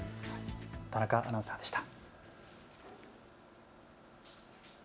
田中アナウンサーでした。